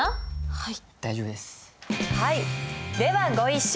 はい。